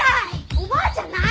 おばあちゃん何！？